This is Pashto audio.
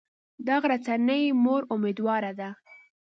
د غرڅنۍ مور امیدواره ده.